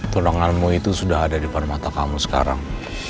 tulanganmu itu sudah ada di permata kamu sekarang